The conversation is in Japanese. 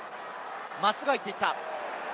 真っすぐ入っていった。